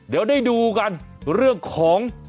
เดี๋ยวได้ดูกันเรื่องของ